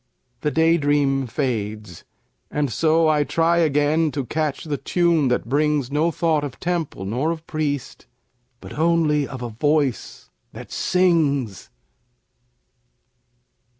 The day dream fades and so I try Again to catch the tune that brings No thought of temple nor of priest, But only of a voice that sings.